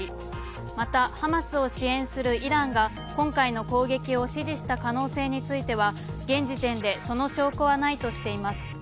また、ハマスを支援するイランが今回の攻撃を指示した可能性については現時点でその証拠はないとしています。